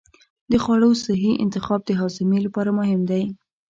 د خوړو صحي انتخاب د هاضمې لپاره مهم دی.